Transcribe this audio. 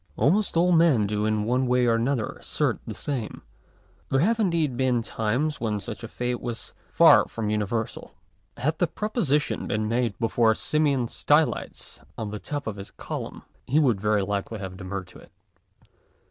Almost all men do in one way or other assert the same. There have indeed heen times when such a faith was far from uni versal. Had the proposition heen made hefore Simeon Stylites on the top of his column, he would very likely have demurred to it.